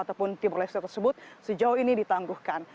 ataupun timur leste tersebut sejauh ini ditangguhkan